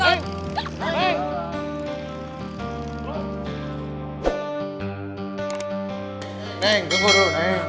kenapa dia mesti cemburu